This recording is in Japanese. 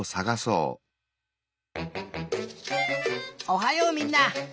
おはようみんな！